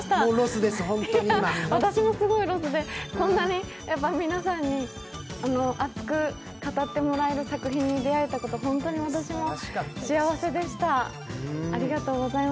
私もすごいロスで、こんなに皆さんに熱く語ってもらえる作品に出会えたこと、本当に私も幸せでした。